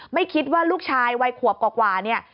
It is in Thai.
ไม่คิดว่าลูกชายวัยขวบกว่าเนี่ย